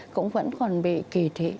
cũng vẫn còn bị kỳ thị